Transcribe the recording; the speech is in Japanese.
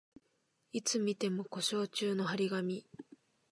いつ見ても故障中の張り紙